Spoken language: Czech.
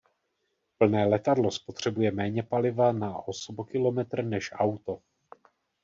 Plné letadlo spotřebuje méně paliva na osobokilometr než auto.